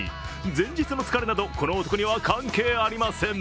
前日の疲れなど、この男には関係ありません。